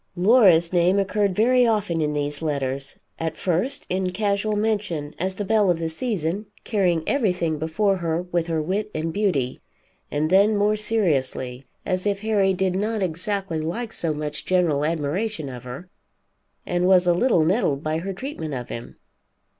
Laura's name occurred very often in these letters, at first in casual mention as the belle of the season, carrying everything before her with her wit and beauty, and then more seriously, as if Harry did not exactly like so much general admiration of her, and was a little nettled by her treatment of him.